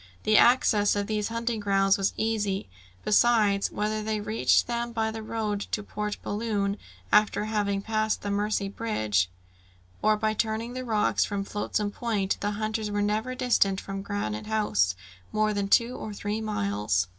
The access to these hunting grounds was easy; besides, whether they reached them by the road to Port Balloon, after having passed the Mercy Bridge, or by turning the rocks from Flotsam Point, the hunters were never distant from Granite House more than two or three miles.